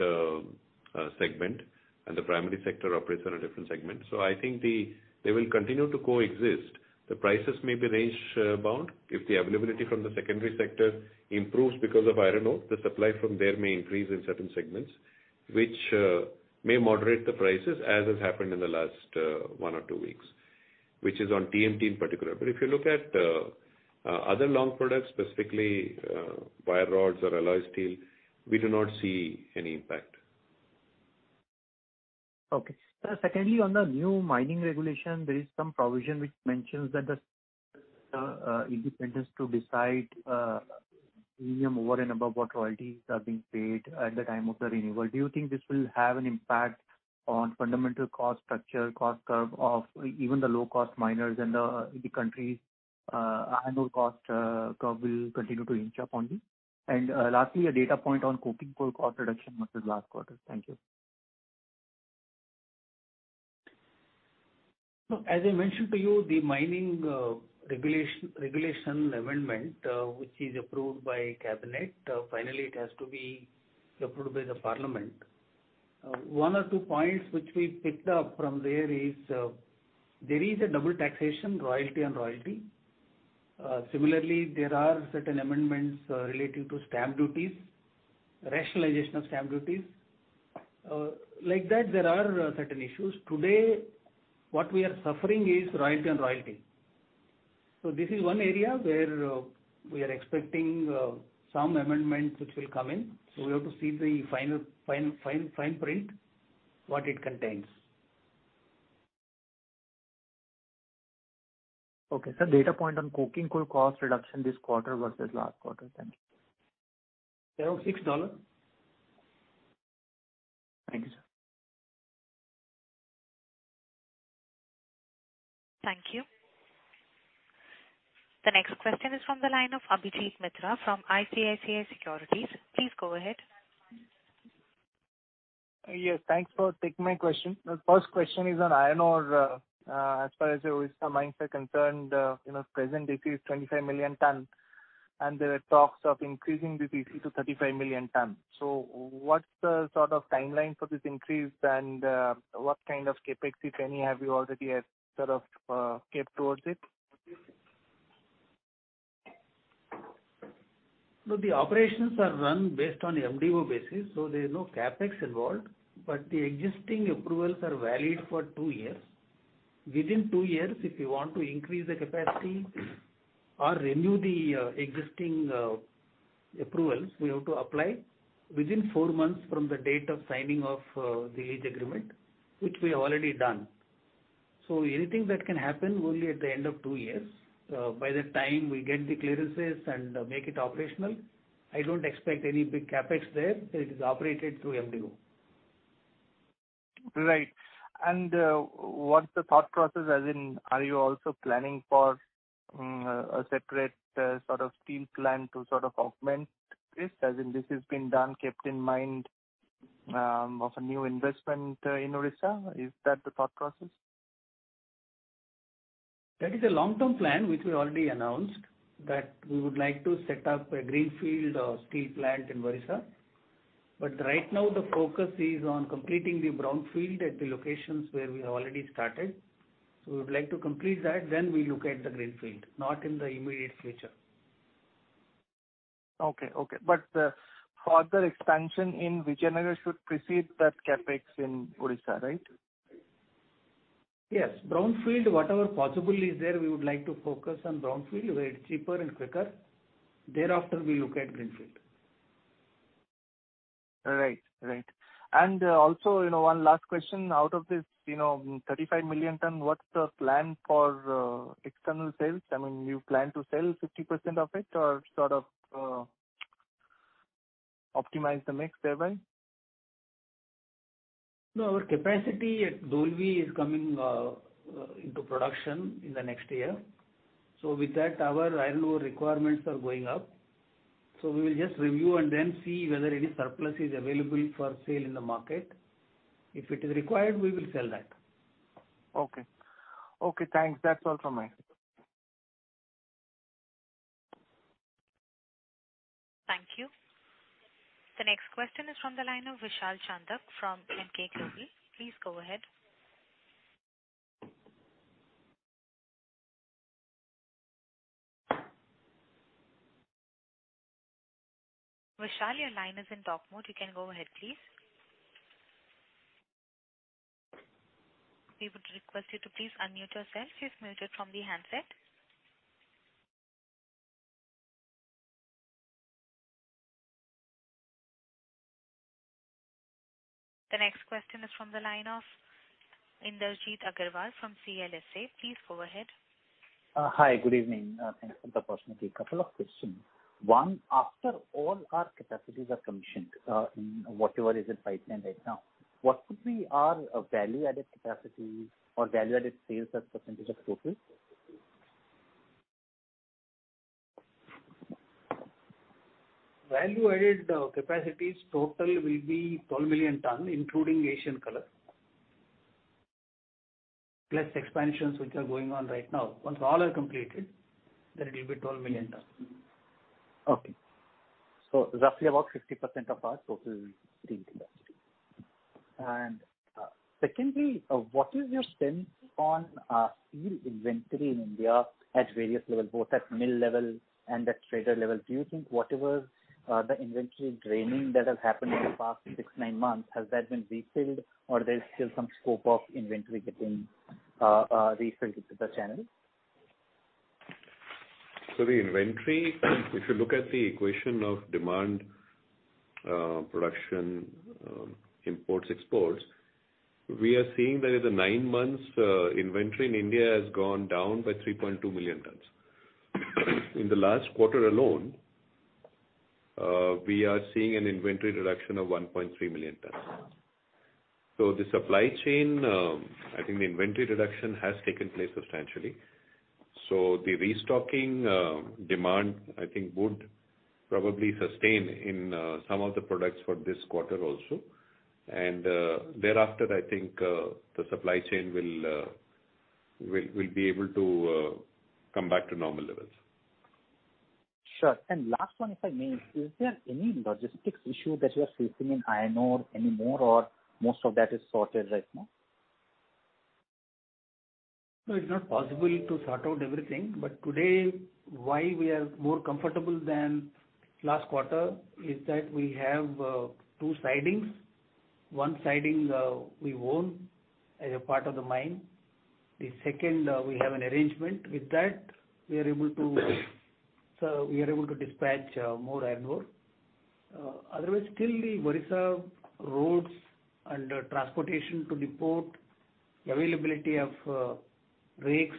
segment and the primary sector operates in a different segment, I think they will continue to coexist. The prices may be range-bound. If the availability from the secondary sector improves because of iron ore, the supply from there may increase in certain segments, which may moderate the prices as has happened in the last one or two weeks, which is on TMT in particular. If you look at other long products, specifically wire rods or alloy steel, we do not see any impact. Okay. Sir, secondly, on the new mining regulation, there is some provision which mentions that the independence to decide premium over and above what royalties are being paid at the time of the renewal. Do you think this will have an impact on fundamental cost structure, cost curve of even the low-cost miners and the country's iron ore cost curve will continue to hinge upon you? Lastly, a data point on coking coal cost reduction versus last quarter. Thank you. As I mentioned to you, the mining regulation amendment, which is approved by cabinet, finally it has to be approved by the Parliament. One or two points which we picked up from there is there is a double taxation, royalty on royalty. Similarly, there are certain amendments relating to stamp duty, rationalization of stamp duty. Like that, there are certain issues. Today, what we are suffering is royalty on royalty. This is one area where we are expecting some amendment which will come in. We have to see the fine print, what it contains. Okay. Sir, data point on coking coal cost reduction this quarter versus last quarter. Thank you. Around $6. Thank you, sir. Thank you. The next question is from the line of Abhijit Mitra from ICICI Securities. Please go ahead. Yes. Thanks for taking my question. The first question is on iron ore. As far as our mines are concerned, present EC is 25 million tonne, and there are talks of increasing the EC to 35 million tonne. What is the sort of timeline for this increase, and what kind of CapEx, if any, have you already sort of kept towards it? The operations are run based on MDO basis, so there is no CapEx involved. The existing approvals are valid for two years. Within two years, if you want to increase the capacity or renew the existing approvals, we have to apply within four months from the date of signing of the lease agreement, which we have already done. Anything that can happen will be at the end of two years. By the time we get the clearances and make it operational, I don't expect any big CapEx there. It is operated through MDO. Right. What's the thought process, as in, are you also planning for a separate sort of steel plant to sort of augment this? As in, this has been done kept in mind of a new investment in Odisha. Is that the thought process? That is a long-term plan, which we already announced that we would like to set up a greenfield steel plant in Odisha. Right now, the focus is on completing the brownfield at the locations where we have already started. We would like to complete that. We look at the greenfield, not in the immediate future. Okay. Okay. The further expansion in Vijayanagar should precede that CapEx in Odisha, right? Yes. Brownfield, whatever possible is there, we would like to focus on brownfield where it is cheaper and quicker. Thereafter, we look at greenfield. Right. Right. Also, one last question. Out of this 35 million tonne, what is the plan for external sales? I mean, you plan to sell 50% of it or sort of optimize the mix thereby? No, our capacity at Dolvi is coming into production in the next year. With that, our iron ore requirements are going up. We will just review and then see whether any surplus is available for sale in the market. If it is required, we will sell that. Okay. Okay. Thanks. That is all from me. Thank you. The next question is from the line of Vishal Chandak from Emkay Global. Please go ahead. Vishal, your line is in talk mode. You can go ahead, please. We would request you to please unmute yourself if muted from the handset. The next question is from the line of Indrajit Agarwal from CLSA. Please go ahead. Hi. Good evening. Thanks for the opportunity. Couple of questions. One, after all our capacities are commissioned in whatever is in pipeline right now, what would be our value-added capacity or value-added sales as percentage of total? Value-added capacity total will be 12 million tonne, including Asian Colour, plus expansions which are going on right now. Once all are completed, then it will be 12 million tonne. Okay. So roughly about 50% of our total steel capacity. Secondly, what is your sense on steel inventory in India at various levels, both at mill level and at trader level? Do you think whatever the inventory draining that has happened in the past six, nine months, has that been refilled, or there's still some scope of inventory getting refilled into the channel? The inventory, if you look at the equation of demand, production, imports, exports, we are seeing that in the nine months, inventory in India has gone down by 3.2 million tonnes. In the last quarter alone, we are seeing an inventory reduction of 1.3 million tonnes. The supply chain, I think the inventory reduction has taken place substantially. The restocking demand, I think, would probably sustain in some of the products for this quarter also. Thereafter, I think the supply chain will be able to come back to normal levels. Sure. Last one if I may, is there any logistics issue that you are facing in iron ore anymore, or most of that is sorted right now? It's not possible to sort out everything. Today, why we are more comfortable than last quarter is that we have two sidings. One siding, we own as a part of the mine. The second, we have an arrangement with that. We are able to dispatch more iron ore. Otherwise, still the Odisha roads and transportation to the port, availability of rakes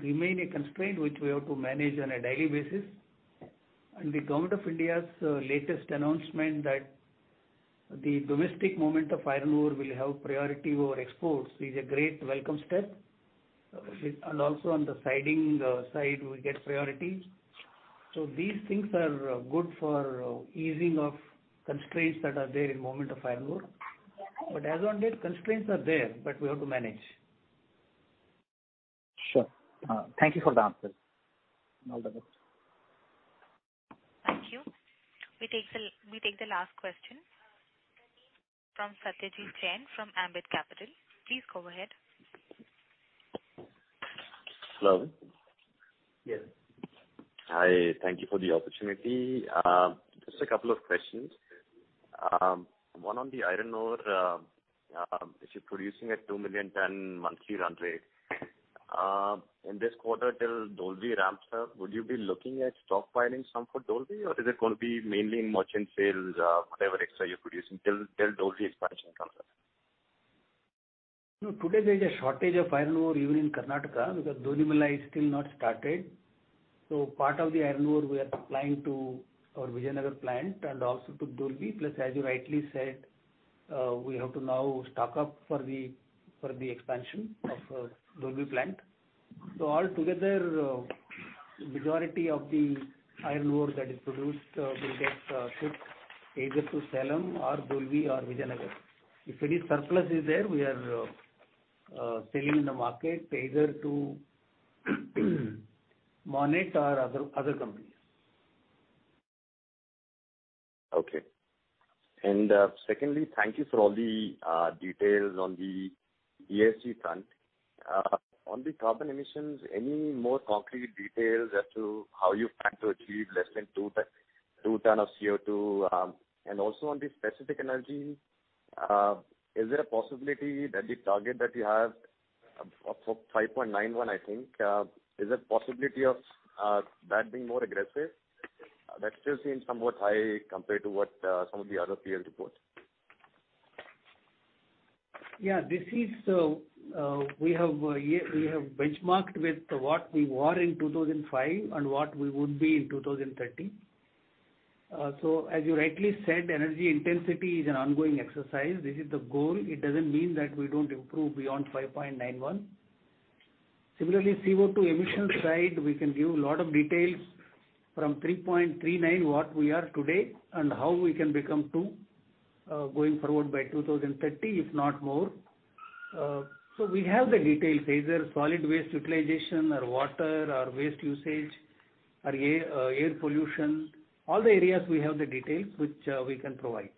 remain a constraint which we have to manage on a daily basis. The Government of India's latest announcement that the domestic movement of iron ore will have priority over exports is a great welcome step. Also, on the siding side, we get priority. These things are good for easing of constraints that are there in the movement of iron ore. As of now, constraints are there, but we have to manage. Sure. Thank you for the answers. All the best. Thank you. We take the last question from Satyadeep Jain from Ambit Capital. Please go ahead. Hello. Yes. Hi. Thank you for the opportunity. Just a couple of questions. One on the iron ore, if you're producing at 2 million tonne monthly run rate, in this quarter till Dolvi ramps up, would you be looking at stockpiling some for Dolvi, or is it going to be mainly in merchant sales, whatever extra you're producing till Dolvi expansion comes up? No, today there is a shortage of iron ore even in Karnataka because Dolvi is still not started. Part of the iron ore we are supplying to our Vijayanagar plant and also to Dolvi. Plus, as you rightly said, we have to now stock up for the expansion of Dolvi plant. Altogether, the majority of the iron ore that is produced will get shipped either to Salem or Dolvi or Vijayanagar. If any surplus is there, we are selling in the market either to Monnet or other companies. Okay. Secondly, thank you for all the details on the BPSL front. On the carbon emissions, any more concrete details as to how you plan to achieve less than 2 tonne of CO2? Also, on the specific energy, is there a possibility that the target that you have for 5.91, I think, is there a possibility of that being more aggressive? That still seems somewhat high compared to what some of the other players report. Yeah. We have benchmarked with what we were in 2005 and what we would be in 2030. As you rightly said, energy intensity is an ongoing exercise. This is the goal. It does not mean that we do not improve beyond 5.91. Similarly, on the CO2 emission side, we can give a lot of details from 3.39, what we are today, and how we can become 2 going forward by 2030, if not more. We have the details either solid waste utilization or water or waste usage or air pollution. All the areas we have the details which we can provide.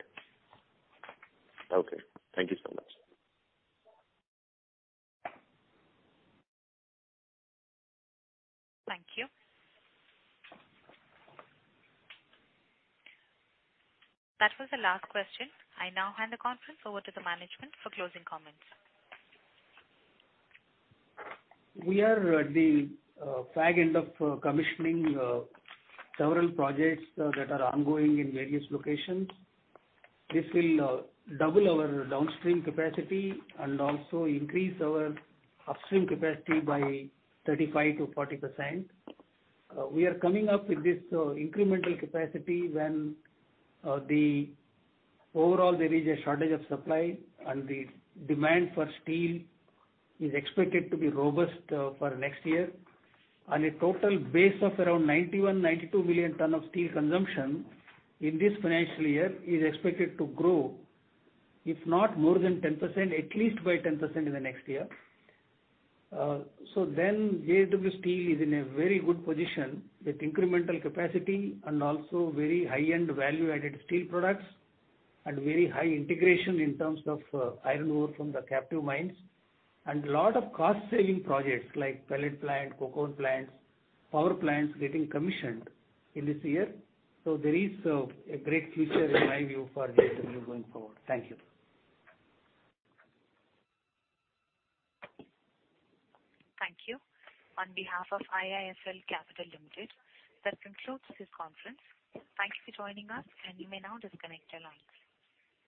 Okay. Thank you so much. Thank you. That was the last question. I now hand the conference over to the management for closing comments. We are at the fag end of commissioning several projects that are ongoing in various locations. This will double our downstream capacity and also increase our upstream capacity by 35-40%. We are coming up with this incremental capacity when overall there is a shortage of supply and the demand for steel is expected to be robust for next year. A total base of around 91-92 million tonne of steel consumption in this financial year is expected to grow, if not more than 10%, at least by 10% in the next year. JSW Steel is in a very good position with incremental capacity and also very high-end value-added steel products and very high integration in terms of iron ore from the captive mines. A lot of cost-saving projects like pellet plant, coke oven plants, power plants getting commissioned in this year. There is a great future in my view for JSW going forward. Thank you. Thank you. On behalf of IIFL Capital Limited, that concludes this conference. Thank you for joining us, and you may now disconnect your lines.